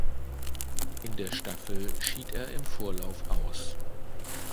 In der Staffel schied er im Vorlauf aus.